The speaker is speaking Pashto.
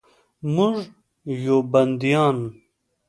موږ یو بندیان